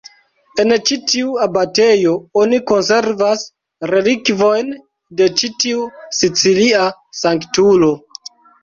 En ĉi tiu abatejo oni konservas relikvojn de ĉi tiu sicilia sanktulo.